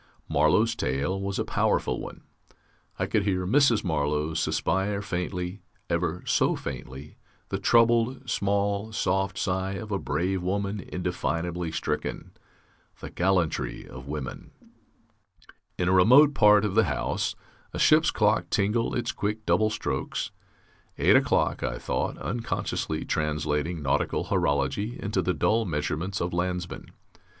Marlow's tale was a powerful one: I could hear Mrs. Marlow suspire faintly, ever so faintly the troubled, small, soft sigh of a brave woman indefinably stricken. The gallantry of women! In a remote part of the house a ship's clock tingled its quick double strokes.... Eight o'clock, I thought, unconsciously translating nautical horology into the dull measurements of landsmen.